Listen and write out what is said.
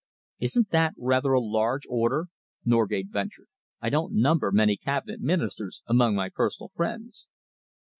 "Isn't that rather a large order?" Norgate ventured. "I don't number many Cabinet Ministers among my personal friends."